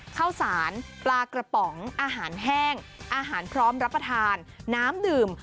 ข้าวสารปลากระป๋องอาหารแห้งอาหารพร้อมรับประทานน้ำดื่ม